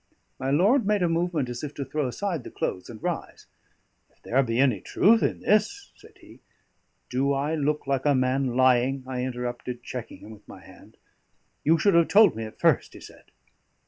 My lord made a movement as if to throw aside the clothes and rise. "If there be any truth in this " said he. "Do I look like a man lying?" I interrupted, checking him with my hand. "You should have told me at first," he said.